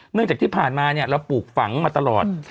เนื่องจากที่ผ่านมาเนี่ยเราปลูกฝังมาตลอด